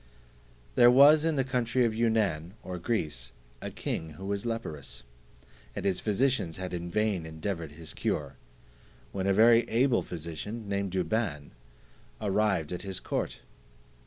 There was in the country of Yunaun or Greece, a king who was leprous, and his physicians had in vain endeavoured his cure; when a very able physician, named Douban, arrived at his court.